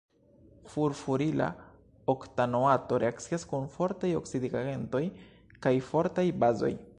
Furfurila oktanoato reakcias kun fortaj oksidigagentoj kaj fortaj bazoj.